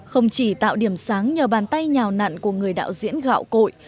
không chỉ tạo điểm sáng nhờ bàn tay nhào nặn của người đạo diễn gạo cội